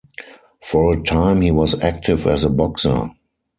For a time, he was active as a boxer.